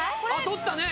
とったね！